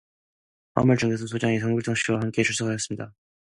화물 중게소 소장이 홍길동 씨도 함께 출석하였습니다.